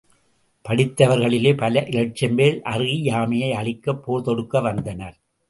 படித்தவர்களிலே பல இலட்சம் பேர், அறியாமையை அழிக்கப் போர் தொடுக்க வந்தனர்.